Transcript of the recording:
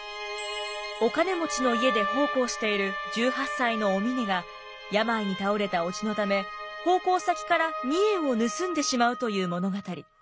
お金持ちの家で奉公している１８歳のお峰が病に倒れた伯父のため奉公先から２円を盗んでしまうという物語。